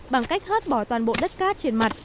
bằng cách hớt bỏ toàn bộ đất cát trên mặt